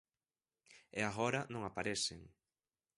E agora non aparecen.